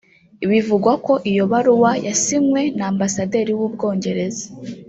Bivugwa ko iyi baruwa yasinywe na Ambasaderi w’u Bwongereza